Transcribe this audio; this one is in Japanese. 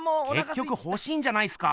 けっきょくほしいんじゃないっすか！